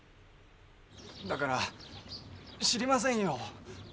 だから知りませんよ。